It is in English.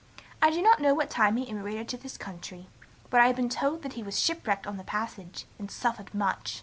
I do not know at what time he emigrated to this country, but have been told he was shipwreck'd on the passage, and suffered much.